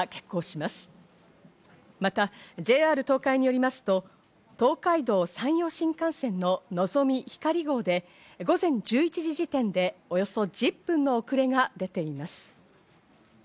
またＪＲ東海によりますと、東海道・山陽新幹線の、のぞみ・ひかり号で午前１１時時点でおよそ１０分の遅れが出ています。